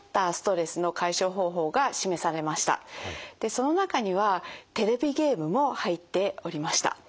その中にはテレビゲームも入っておりました。